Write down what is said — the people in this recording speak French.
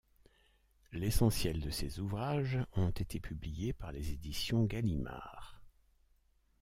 L'essentiel de ses ouvrages ont été publiés par les éditions Gallimard.